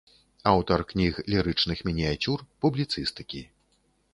Аўтар кніг лірычных мініяцюр, публіцыстыкі.